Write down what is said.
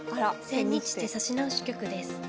千日手指し直し局です。